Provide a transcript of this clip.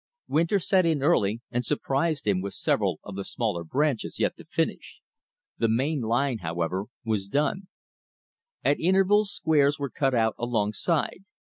Winter set in early and surprised him with several of the smaller branches yet to finish. The main line, however, was done. At intervals squares were cut out alongside.